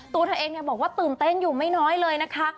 ตัวเธอเองบอกว่าตื่นเต้นอยู่ไม่น้อยเลยนะคะ